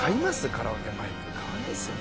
カラオケマイク買わないっすよね